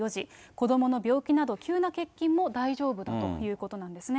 子どもの病気など、急な欠勤も大丈夫だということなんですね。